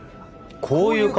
こういう顔